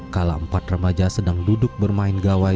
kalau empat remaja sedang duduk bermain gawai